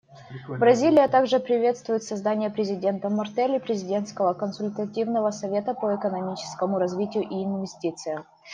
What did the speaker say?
Бразилия также приветствует создание президентом Мартелли президентского консультативного совета по экономическому развитию и инвестициям.